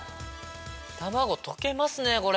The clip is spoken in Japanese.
卵溶けますねこれ。